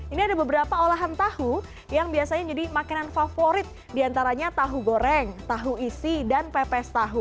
ini ada beberapa olahan tahu yang biasanya jadi makanan favorit diantaranya tahu goreng tahu isi dan pepes tahu